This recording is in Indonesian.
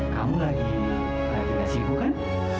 kamu lagi gak sibuk kan